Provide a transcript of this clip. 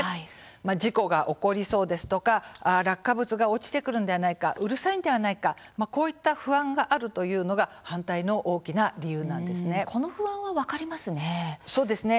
事故が起こりそうですとか落下物が落ちてくるのではないかうるさいのではないかこういった不安があるというのがこの不安は分かりますね。